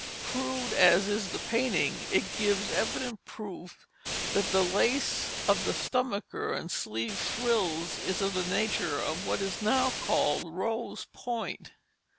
Crude as is the painting, it gives evident proof that the lace of the stomacher and sleeve frills is of the nature of what is now called rose point.